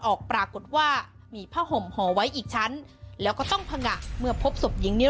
ออกปรากฏว่ามีผ้าห่มห่อไว้อีกชั้นแล้วก็ต้องผงะเมื่อพบศพหญิงนิ้